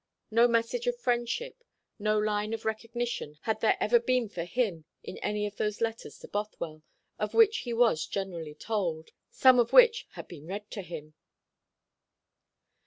No message of friendship, no line of recognition had there ever been for him in any of those letters to Bothwell, of which he was generally told, some of which had been read to him.